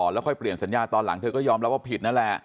แล้วค่อยเปลี่ยนสัญญาตอนหลังเธอก็ยอมรับว่าผิดนั่นแหละ